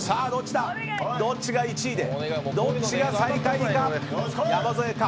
どっちが１位でどっちが最下位か。